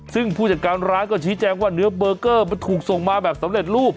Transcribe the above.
ซึ่งผู้จัดการร้านก็ชี้แจงว่าเนื้อเบอร์เกอร์มันถูกส่งมาแบบสำเร็จรูป